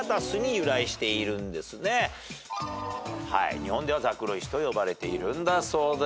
日本ではざくろ石と呼ばれているんだそうです。